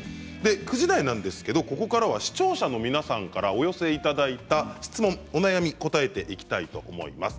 ９時台ですけれど、ここからは視聴者の皆さんからお寄せいただいた質問、お悩みにこたえていきたいと思います。